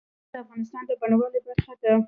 قومونه د افغانستان د بڼوالۍ برخه ده.